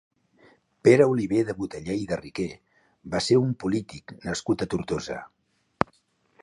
Pere Oliver de Boteller i de Riquer va ser un polític nascut a Tortosa.